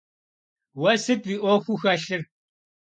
Уэ сыт уи ӏуэхуу хэлъыр?